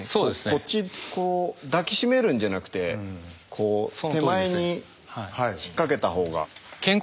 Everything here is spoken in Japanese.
こっち抱き締めるんじゃなくてこう手前に引っ掛けたほうが。